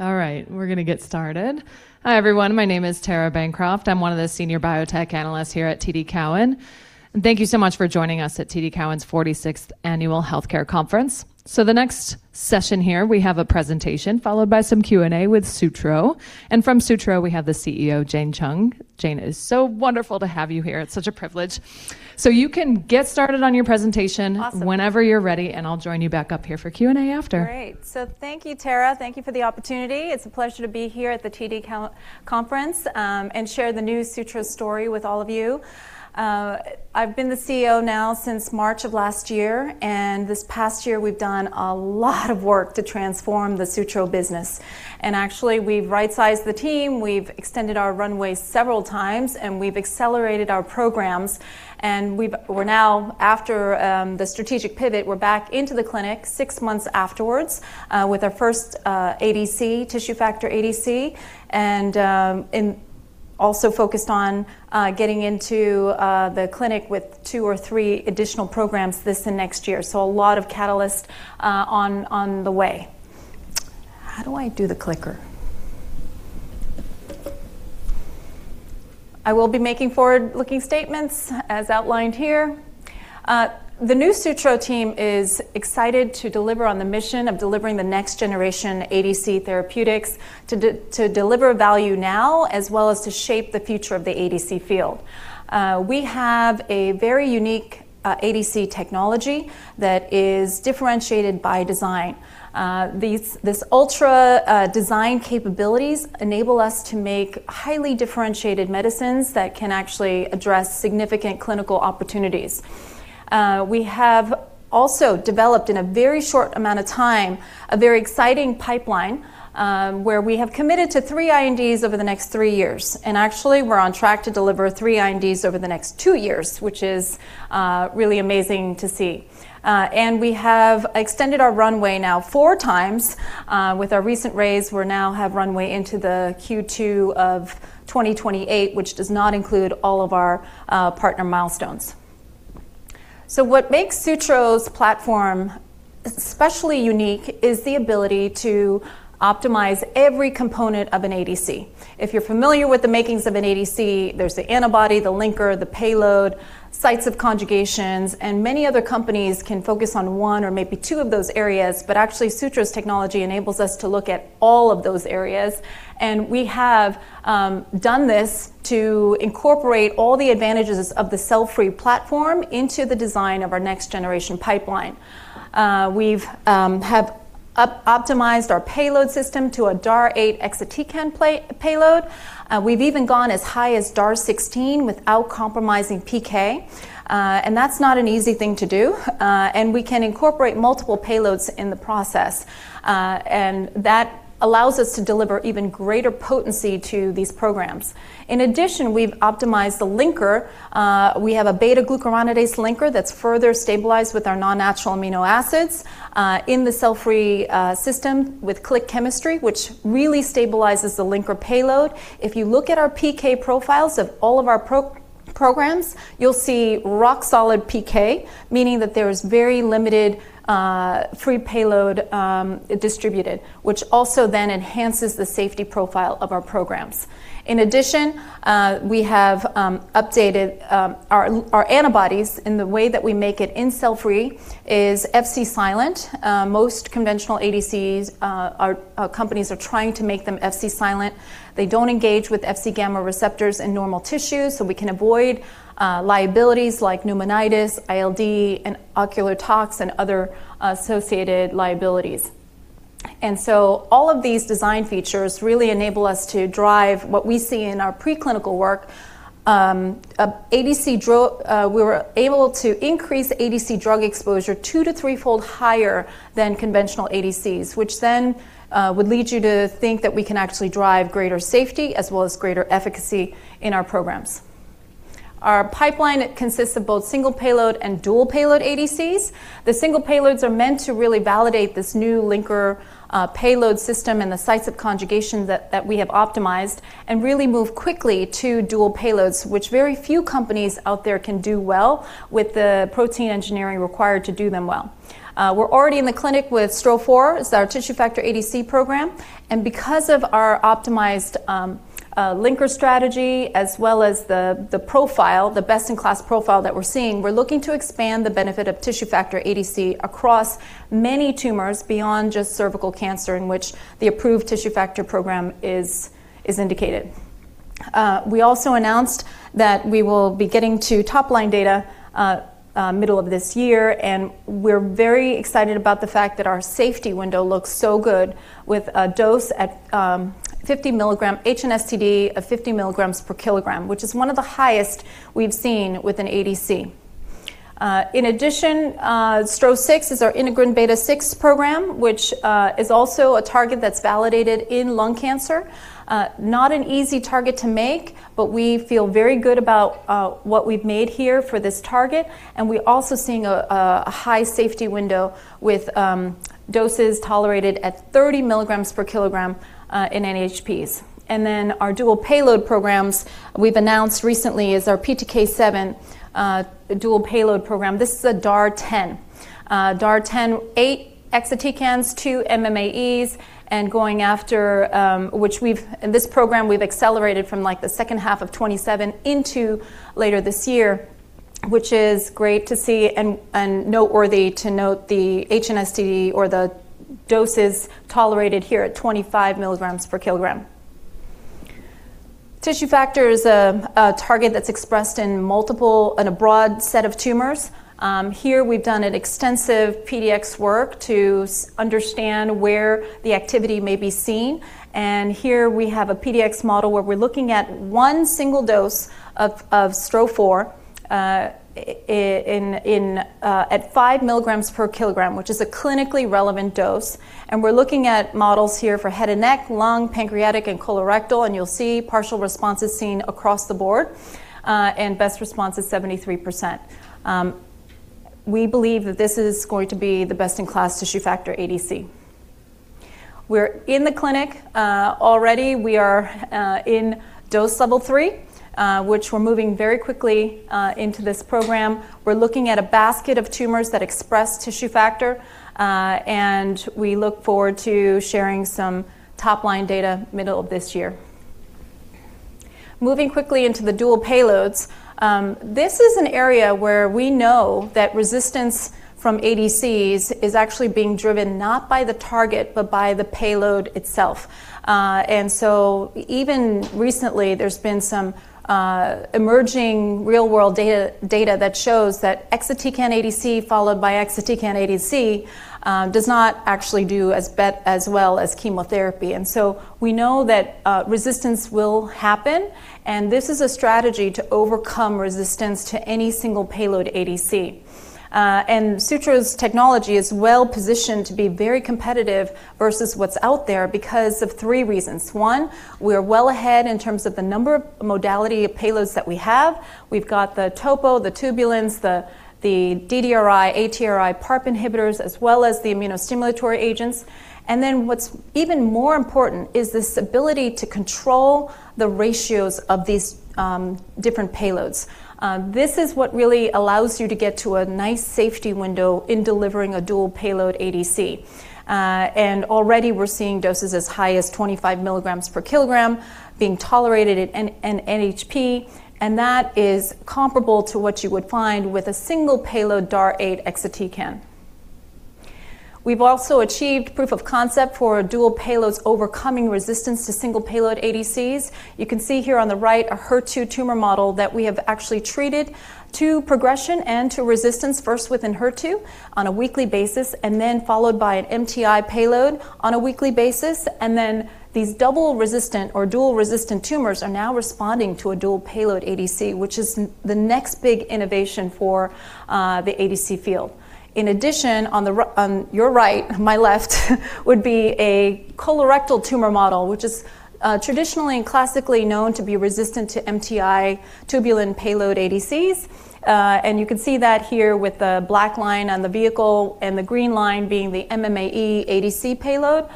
All right, we're gonna get started. Hi, everyone. My name is Tara Bancroft. I'm one of the senior biotech analysts here at TD Cowen. Thank you so much for joining us at TD Cowen's 46th Annual Healthcare Conference. The next session here, we have a presentation, followed by some Q&A with Sutro. From Sutro, we have the CEO, Jane Chung. Jane, it is so wonderful to have you here. It's such a privilege. You can get started on your presentation- Awesome. Whenever you're ready, and I'll join you back up here for Q&A after. Great. Thank you, Tara. Thank you for the opportunity. It's a pleasure to be here at the TD Cowen Conference, and share the new Sutro story with all of you. I've been the CEO now since March of last year, and this past year we've done a lot of work to transform the Sutro business. Actually, we've right-sized the team, we've extended our runway several times, and we've accelerated our programs. We're now, after the strategic pivot, we're back into the clinic six months afterwards, with our first ADC, tissue factor ADC, and also focused on getting into the clinic with two or three additional programs this and next year. A lot of catalyst on the way. How do I do the clicker? I will be making forward-looking statements as outlined here. The new Sutro team is excited to deliver on the mission of delivering the next generation ADC therapeutics to deliver value now, as well as to shape the future of the ADC field. We have a very unique ADC technology that is differentiated by design. This ultra design capabilities enable us to make highly differentiated medicines that can actually address significant clinical opportunities. We have also developed, in a very short amount of time, a very exciting pipeline, where we have committed to three INDs over the next three years. Actually, we're on track to deliver three INDs over the next two years, which is really amazing to see. We have extended our runway now 4x with our recent raise. We're now have runway into the Q2 of 2028, which does not include all of our partner milestones. What makes Sutro's platform especially unique is the ability to optimize every component of an ADC. If you're familiar with the makings of an ADC, there's the antibody, the linker, the payload, sites of conjugations, and many other companies can focus on one or maybe two of those areas, but actually, Sutro's technology enables us to look at all of those areas. We have done this to incorporate all the advantages of the cell-free platform into the design of our next-generation pipeline. We've optimized our payload system to a DAR 8 exatecan payload. We've even gone as high as DAR 16 without compromising PK, and that's not an easy thing to do. We can incorporate multiple payloads in the process, and that allows us to deliver even greater potency to these programs. In addition, we've optimized the linker. We have a β-glucuronidase linker that's further stabilized with our non-natural amino acids, in the cell-free system with click chemistry, which really stabilizes the linker payload. If you look at our PK profiles of all of our pro-programs, you'll see rock-solid PK, meaning that there is very limited free payload distributed, which also then enhances the safety profile of our programs. In addition, we have updated our antibodies in the way that we make it in cell-free is Fc-silent. Most conventional ADCs are companies are trying to make them Fc-silent. They don't engage with Fc gamma receptors in normal tissues, we can avoid liabilities like pneumonitis, ILD, and ocular tox, and other associated liabilities. All of these design features really enable us to drive what we see in our preclinical work, a ADC, we were able to increase ADC drug exposure two to threefold higher than conventional ADCs, which then would lead you to think that we can actually drive greater safety as well as greater efficacy in our programs. Our pipeline consists of both single payload and dual payload ADCs. The single payloads are meant to really validate this new linker payload system and the sites of conjugation we have optimized and really move quickly to dual payloads, which very few companies out there can do well with the protein engineering required to do them well. We're already in the clinic with STRO-004. It's our tissue factor ADC program. Because of our optimized linker strategy as well as the profile, the best-in-class profile that we're seeing, we're looking to expand the benefit of tissue factor ADC across many tumors beyond just cervical cancer in which the approved tissue factor program is indicated. We also announced that we will be getting to top-line data middle of this year, and we're very excited about the fact that our safety window looks so good with a dose at 50 milligram HNSTD of 50 milligrams per kilogram, which is one of the highest we've seen with an ADC. In addition, STRO-006 is our integrin beta-6 program, which is also a target that's validated in lung cancer. Not an easy target to make, but we feel very good about what we've made here for this target, and we're also seeing a high safety window with doses tolerated at 30 milligrams per kilogram in NHPs. Our dual payload programs we've announced recently is our PTK7 dual payload program. This is a DAR 10. DAR 10, 8 exatecans, 2 MMAEs, and going after, in this program, we've accelerated from, like, the second half of 2027 into later this year. This is great to see and noteworthy to note the HNSTD or the doses tolerated here at 25 milligrams per kilogram. Tissue factor is a target that's expressed in multiple in a broad set of tumors. Here we've done an extensive PDX work to understand where the activity may be seen. Here we have a PDX model where we're looking at 1 single dose of STRO-004 at 5 milligrams per kilogram, which is a clinically relevant dose. We're looking at models here for head and neck, lung, pancreatic, and colorectal, and you'll see partial responses seen across the board, and best response is 73%. We believe that this is going to be the best in class tissue factor ADC. We're in the clinic already. We are in dose level 3, which we're moving very quickly into this program. We're looking at a basket of tumors that express tissue factor, and we look forward to sharing some top-line data middle of this year. Moving quickly into the dual payloads, this is an area where we know that resistance from ADCs is actually being driven not by the target but by the payload itself. Even recently, there's been some emerging real-world data that shows that exatecan ADC followed by exatecan ADC does not actually do as well as chemotherapy. We know that resistance will happen, and this is a strategy to overcome resistance to any single payload ADC. Sutro's technology is well-positioned to be very competitive versus what's out there because of three reasons. One, we're well ahead in terms of the number of modality payloads that we have. We've got the topo, the tubulins, the DDRi, ATRi, PARP inhibitors, as well as the immunostimulatory agents. What's even more important is this ability to control the ratios of these different payloads. This is what really allows you to get to a nice safety window in delivering a dual payload ADC. Already we're seeing doses as high as 25 milligrams per kilogram being tolerated at an NHP, and that is comparable to what you would find with a single payload DAR 8 exatecan. We've also achieved proof of concept for dual payloads overcoming resistance to single payload ADCs. You can see here on the right a HER2 tumor model that we have actually treated to progression and to resistance first within HER2 on a weekly basis, and then followed by an MTI payload on a weekly basis, and then these double-resistant or dual-resistant tumors are now responding to a dual payload ADC, which is the next big innovation for the ADC field. In addition, on your right, my left would be a colorectal tumor model, which is traditionally and classically known to be resistant to MTI tubulin payload ADCs. You can see that here with the black line on the vehicle and the green line being the MMAE ADC payload.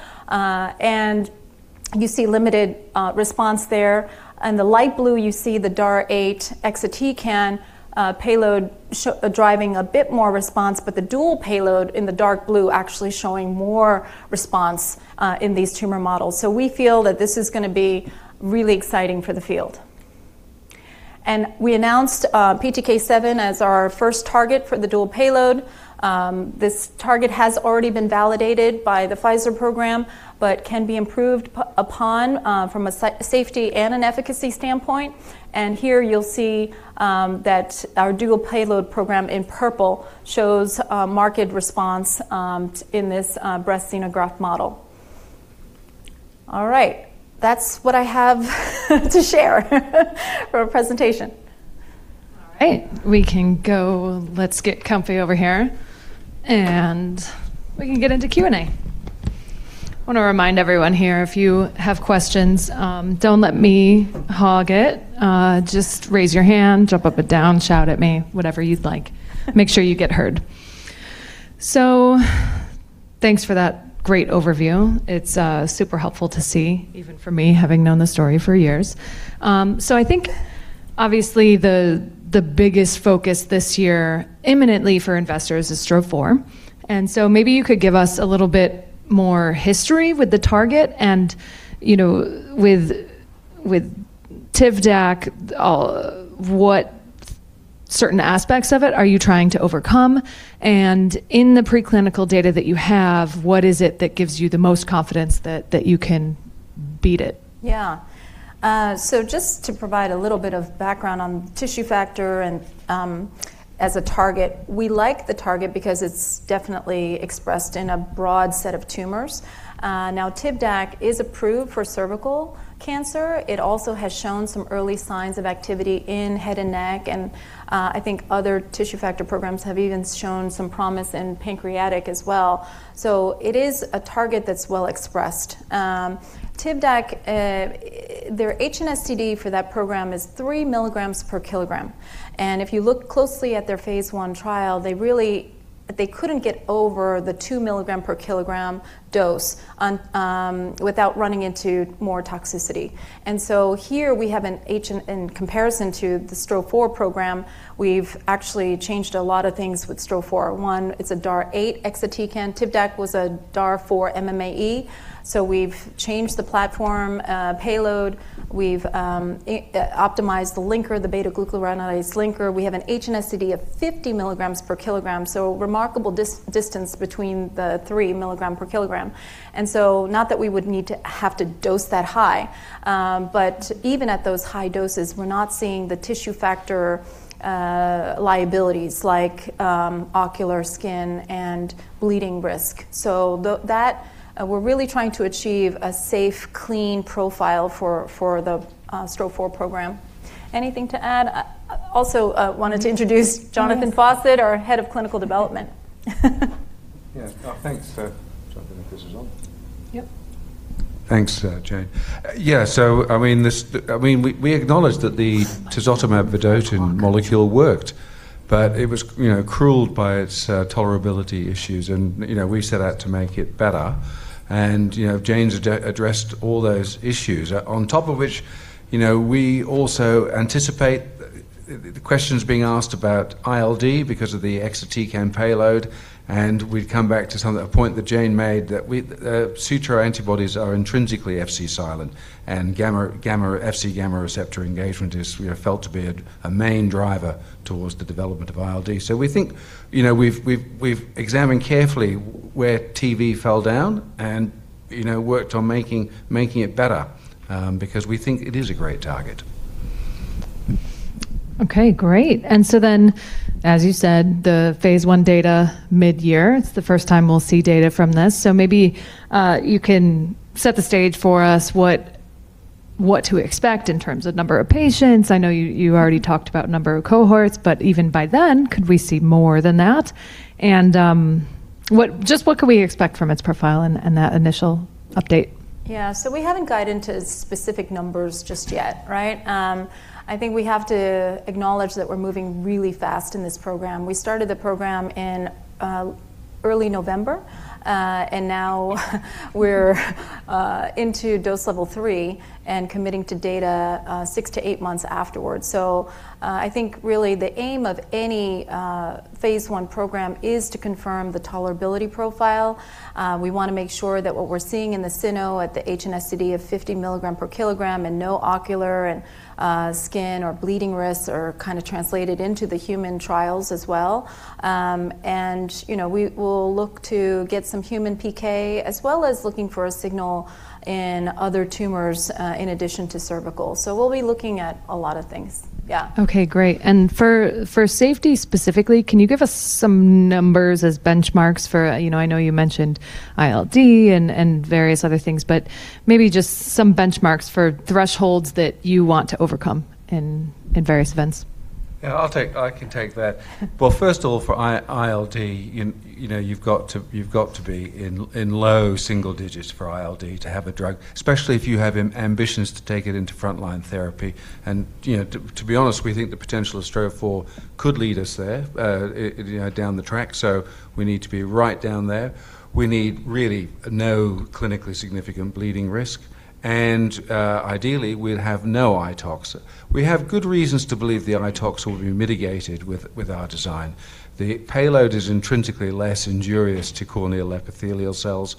You see limited response there. In the light blue, you see the DAR 8 exatecan payload driving a bit more response, but the dual payload in the dark blue actually showing more response in these tumor models. We feel that this is gonna be really exciting for the field. We announced PTK7 as our first target for the dual payload. This target has already been validated by the Pfizer program, but can be improved upon from a safety and an efficacy standpoint. Here you'll see that our dual payload program in purple shows a marked response in this breast xenograft model. All right. That's what I have to share for our presentation. All right. We can go. Let's get comfy over here, and we can get into Q&A. I wanna remind everyone here if you have questions, don't let me hog it. Just raise your hand, jump up and down, shout at me, whatever you'd like. Make sure you get heard. Thanks for that great overview. It's super helpful to see, even for me, having known the story for years. I think obviously the biggest focus this year imminently for investors is STRO-004. Maybe you could give us a little bit more history with the target and, you know, with Tivdak, what certain aspects of it are you trying to overcome? In the preclinical data that you have, what is it that gives you the most confidence that you can beat it? Just to provide a little bit of background on tissue factor and as a target, we like the target because it's definitely expressed in a broad set of tumors. Now Tivdak is approved for cervical cancer. It also has shown some early signs of activity in head and neck, and I think other tissue factor programs have even shown some promise in pancreatic as well. It is a target that's well expressed. Tivdak, their HNSTD for that program is 3 milligrams per kilogram, and if you look closely at their phase I trial, they couldn't get over the 2 milligram per kilogram dose on without running into more toxicity. Here we have an H in comparison to the STRO-004 program, we've actually changed a lot of things with STRO-004. It's a DAR 8 exatecan. Tivdak was a DAR 4 MMAE. We've changed the platform payload. We've optimized the linker, the β-glucuronidase linker. We have an HNSTD of 50 milligrams per kilogram, so remarkable distance between the 3 milligram per kilogram. Not that we would need to have to dose that high, but even at those high doses, we're not seeing the tissue factor liabilities like ocular skin and bleeding risk. We're really trying to achieve a safe, clean profile for the STRO-004 program. Anything to add? I also wanted to introduce Jonathan Fawcett, our head of clinical development. Yeah. Oh, thanks. Do you mind if this is on? Yep. Thanks, Jane. I mean, we acknowledge that the tisotumab vedotin molecule worked, but it was, you know, cruelled by its tolerability issues. You know, we set out to make it better. You know, Jane's addressed all those issues. On top of which, you know, we also anticipate the questions being asked about ILD because of the exatecan payload, and we've come back to some of the point that Jane made that we Sutro antibodies are intrinsically Fc-silent, and Fc gamma receptor engagement is, you know, felt to be a main driver towards the development of ILD. We think, you know, we've examined carefully where TV fell down and, you know, worked on making it better, because we think it is a great target. Okay, great. As you said, the phase I data midyear, it's the first time we'll see data from this. Maybe, you can set the stage for us what to expect in terms of number of patients. I know you already talked about number of cohorts, but even by then could we see more than that? Just what can we expect from its profile and that initial update? Yeah. We haven't got into specific numbers just yet, right? I think we have to acknowledge that we're moving really fast in this program. We started the program in early November, and now we're into dose level three and committing to data six-eight months afterwards. I think really the aim of any phase I program is to confirm the tolerability profile. We wanna make sure that what we're seeing in the cyno at the HNSTD of 50 mg/kg and no ocular and skin or bleeding risks are kinda translated into the human trials as well. And, you know, we will look to get some human PK as well as looking for a signal in other tumors, in addition to cervical. We'll be looking at a lot of things. Yeah. Okay, great. For safety specifically, can you give us some numbers as benchmarks for... You know, I know you mentioned ILD and various other things, maybe just some benchmarks for thresholds that you want to overcome in various events. Yeah, I can take that. Well, first of all, for ILD, you know, you've got to be in low single digits for ILD to have a drug, especially if you have ambitions to take it into frontline therapy. You know, to be honest, we think the potential of STRO-004 could lead us there, you know, down the track. We need to be right down there. We need really no clinically significant bleeding risk, and ideally, we'd have no iTox. We have good reasons to believe the iTox will be mitigated with our design. The payload is intrinsically less injurious to corneal epithelial cells.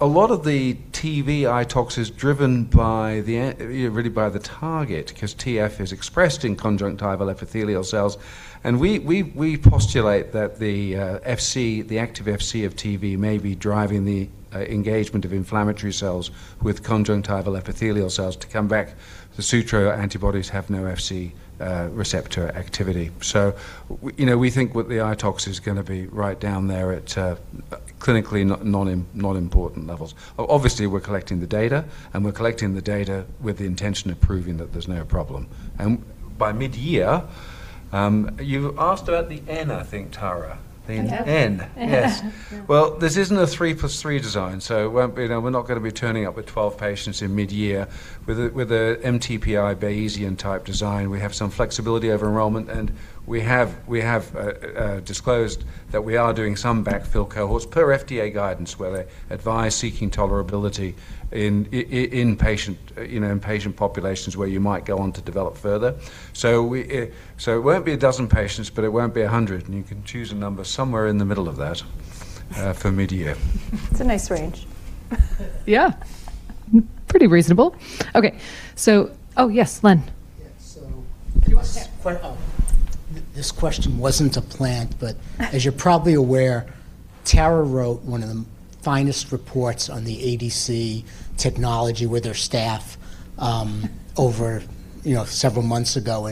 A lot of the Tivdak iTox is driven by the really by the target 'cause TF is expressed in conjunctival epithelial cells. We postulate that the Fc, the active Fc of TV may be driving the engagement of inflammatory cells with conjunctival epithelial cells to come back. The Sutro antibodies have no Fc receptor activity. We, you know, we think what the iTox is gonna be right down there at clinically not non-important levels. Obviously, we're collecting the data, and we're collecting the data with the intention of proving that there's no problem. By mid-year, you asked about the N, I think, Tara. I have. The N. Yes. Well, this isn't a 3 + 3 design, so it won't be. You know, we're not gonna be turning up with 12 patients in mid-year. With a MTPI Bayesian type design, we have some flexibility over enrollment, and we have disclosed that we are doing some backfill cohorts per FDA guidance, where they advise seeking tolerability in patient, you know, in patient populations where you might go on to develop further. It won't be a dozen patients, but it won't be 100, and you can choose a number somewhere in the middle of that for mid-year. It's a nice range. Yeah. Pretty reasonable. Okay. Oh, yes, Len. Yeah. Do you wanna sit? This question wasn't a plant, but as you're probably aware, Tara wrote one of the finest reports on the ADC technology with her staff, over, you know, several months ago.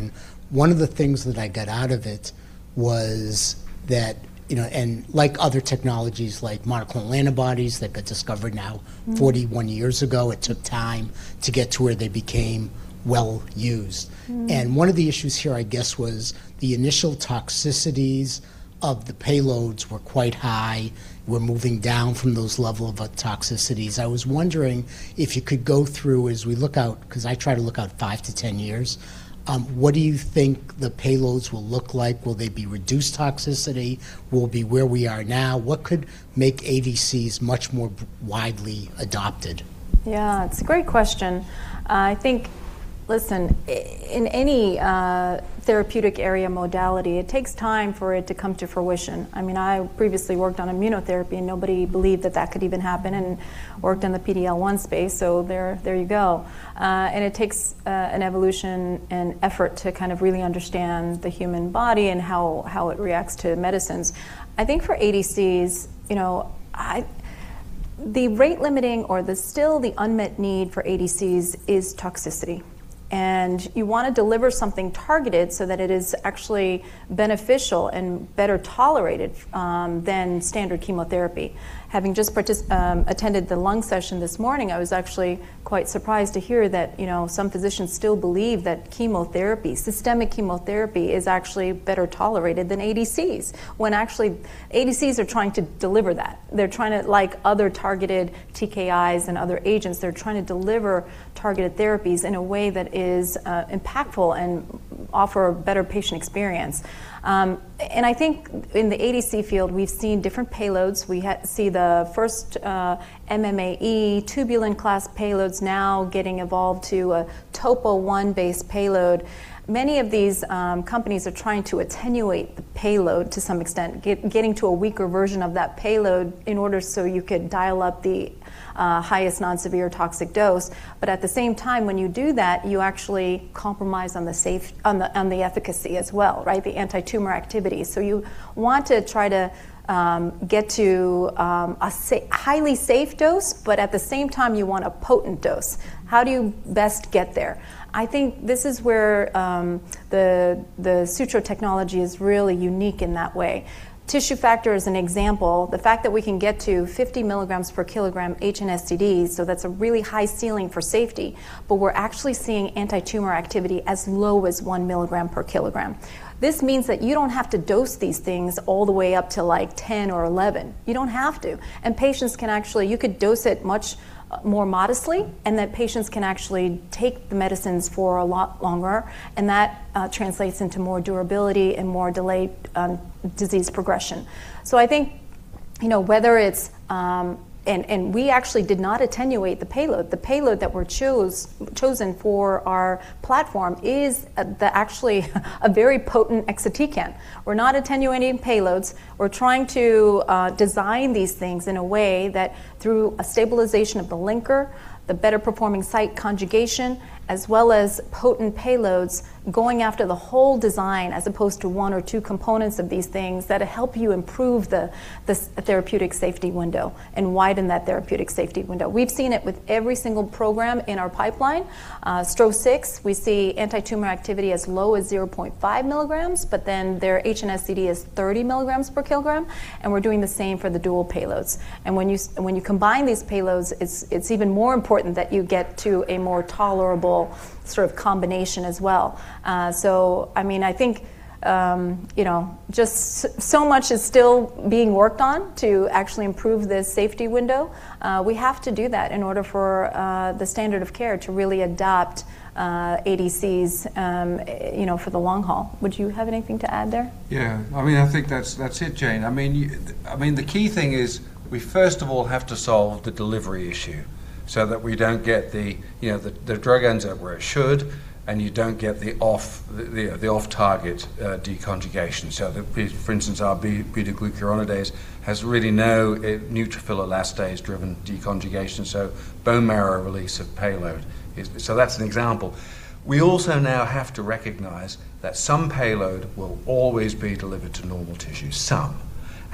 One of the things that I got out of it was that, you know... Like other technologies, like monoclonal antibodies that got discovered now 41 years ago, it took time to get to where they became well-used. Mm-hmm. One of the issues here, I guess, was the initial toxicities of the payloads were quite high. We're moving down from those level of toxicities. I was wondering if you could go through as we look out, 'cause I try to look out five-10 years, what do you think the payloads will look like? Will they be reduced toxicity? Will it be where we are now? What could make ADCs much more widely adopted? Yeah. It's a great question. Listen, in any therapeutic area modality, it takes time for it to come to fruition. I mean, I previously worked on immunotherapy, and nobody believed that that could even happen, and worked in the PD-L1 space, so there you go. It takes an evolution and effort to kind of really understand the human body and how it reacts to medicines. I think for ADCs, you know, the rate limiting or the still the unmet need for ADCs is toxicity. You wanna deliver something targeted so that it is actually beneficial and better tolerated than standard chemotherapy. Having just attended the lung session this morning, I was actually quite surprised to hear that, you know, some physicians still believe that chemotherapy, systemic chemotherapy is actually better tolerated than ADCs when actually ADCs are trying to deliver that. They're trying to, like other targeted TKIs and other agents, they're trying to deliver targeted therapies in a way that is impactful and offer a better patient experience. I think in the ADC field, we've seen different payloads. We see the first MMAE tubulin class payloads now getting evolved to a Topo1-based payload. Many of these companies are trying to attenuate the payload to some extent, getting to a weaker version of that payload in order so you could dial up the highest non-severe toxic dose. At the same time, when you do that, you actually compromise on the efficacy as well, right? The antitumor activity. You want to try to get to a highly safe dose, but at the same time, you want a potent dose. How do you best get there? I think this is where the Sutro technology is really unique in that way. Tissue factor as an example, the fact that we can get to 50 milligrams per kilogram HNSTD, so that's a really high ceiling for safety, but we're actually seeing antitumor activity as low as 1 milligram per kilogram. This means that you don't have to dose these things all the way up to, like, 10 or 11. You don't have to. Patients can actually you could dose it much more modestly, and then patients can actually take the medicines for a lot longer, and that translates into more durability and more delayed disease progression. I think, you know, whether it's. We actually did not attenuate the payload. The payload that were chosen for our platform is actually a very potent exatecan. We're not attenuating payloads. We're trying to design these things in a way that through a stabilization of the linker, the better performing site conjugation, as well as potent payloads going after the whole design as opposed to one or two components of these things that'll help you improve the therapeutic safety window and widen that therapeutic safety window. We've seen it with every single program in our pipeline. STRO-006, we see antitumor activity as low as 0.5 milligrams, but then their HNSTD is 30 milligrams per kilogram, and we're doing the same for the dual payloads. When you combine these payloads, it's even more important that you get to a more tolerable sort of combination as well. I mean, I think, you know, just so much is still being worked on to actually improve the safety window. We have to do that in order for the standard of care to really adopt ADCs, you know, for the long haul. Would you have anything to add there? Yeah. I mean, I think that's it, Jane. I mean, the key thing is we first of all have to solve the delivery issue so that we don't get the, you know, the drug ends up where it should, and you don't get the off, the, the off-target deconjugation. For instance, our β-glucuronidase has really no neutrophil elastase-driven deconjugation, so bone marrow release of payload is so that's an example. We also now have to recognize that some payload will always be delivered to normal tissue,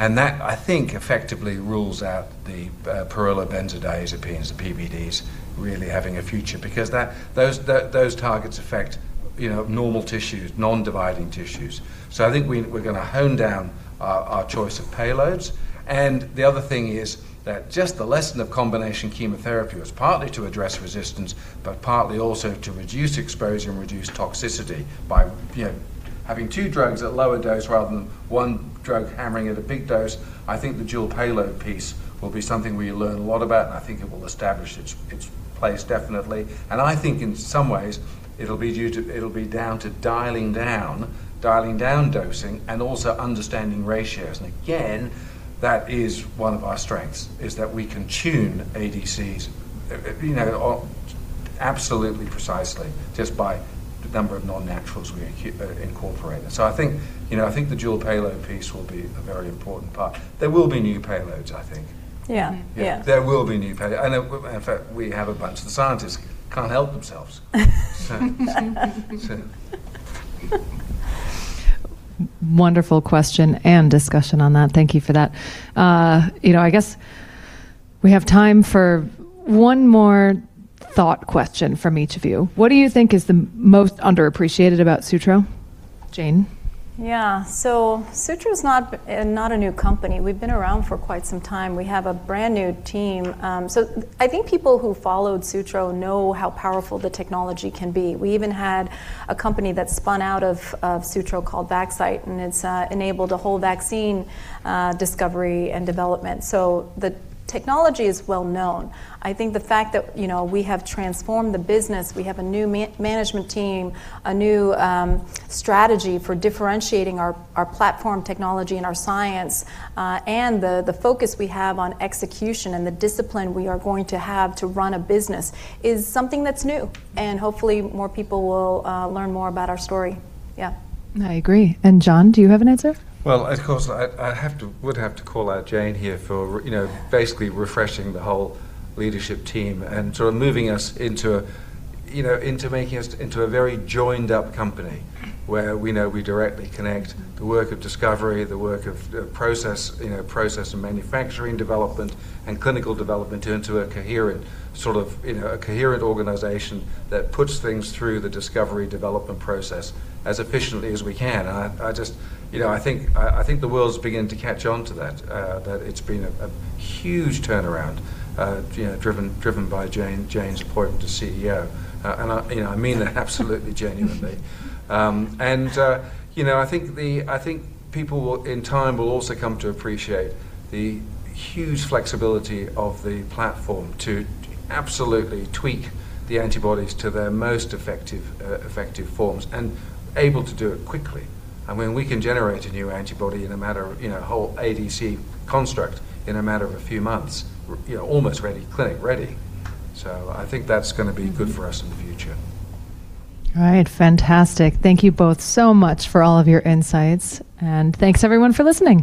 some. That, I think, effectively rules out the pyrrolobenzodiazepines, the PBDs, really having a future because that, those targets affect, you know, normal tissues, non-dividing tissues. I think we're gonna hone down our choice of payloads. The other thing is that just the lesson of combination chemotherapy was partly to address resistance, but partly also to reduce exposure and reduce toxicity by, you know, having two drugs at lower dose rather than one drug hammering at a big dose. I think the dual payload piece will be something we learn a lot about, and I think it will establish its place definitely. I think in some ways, it'll be down to dialing down dosing and also understanding ratios. Again, that is one of our strengths, is that we can tune ADCs, you know, absolutely precisely just by the number of non-naturals we incorporate. I think, you know, I think the dual payload piece will be a very important part. There will be new payloads, I think. Yeah. Yeah. There will be new. In fact, we have a bunch. The scientists can't help themselves. Wonderful question and discussion on that. Thank you for that. you know, I guess we have time for one more thought question from each of you. What do you think is the most underappreciated about Sutro? Jane? Yeah. Sutro's not a new company. We've been around for quite some time. We have a brand-new team. I think people who followed Sutro know how powerful the technology can be. We even had a company that spun out of Sutro called Vaxcyte, and it's enabled a whole vaccine discovery and development. The technology is well known. I think the fact that, you know, we have transformed the business, we have a new management team, a new strategy for differentiating our platform technology and our science, and the focus we have on execution and the discipline we are going to have to run a business is something that's new, and hopefully more people will learn more about our story. Yeah. I agree. John, do you have an answer? Well, of course, I have to, would have to call out Jane here for you know, basically refreshing the whole leadership team and sort of moving us into, you know, into making us into a very joined up company where we know we directly connect the work of discovery, the work of process, you know, process and manufacturing development, and clinical development into a coherent sort of, you know, a coherent organization that puts things through the discovery development process as efficiently as we can. I just, you know, I think, I think the world's beginning to catch on to that it's been a huge turnaround, you know, driven by Jane's appointment to CEO. I, you know, I mean that absolutely genuinely. You know, I think people will, in time, will also come to appreciate the huge flexibility of the platform to absolutely tweak the antibodies to their most effective forms and able to do it quickly. I mean, we can generate a new antibody in a matter of, you know, a whole ADC construct in a matter of a few months, you know, almost ready, clinic ready. I think that's gonna be good for us in the future. All right. Fantastic. Thank you both so much for all of your insights. Thanks everyone for listening.